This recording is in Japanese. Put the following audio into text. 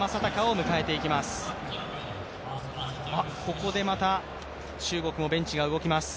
ここでまた中国もベンチが動きます。